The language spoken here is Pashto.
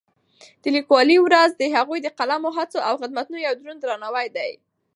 د لیکوالو ورځ د هغوی د قلمي هڅو او خدمتونو یو دروند درناوی دی.